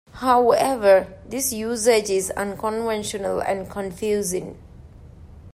However, this usage is unconventional and confusing.